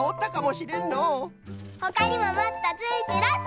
ほかにももっとつくろっと。